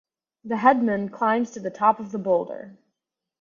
The headman climbs to the top of the boulder.